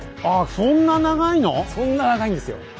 そんな長いんですよ。